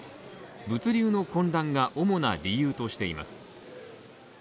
物流の混乱が主な理由としています。